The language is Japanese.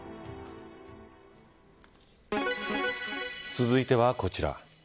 続いてはこちら。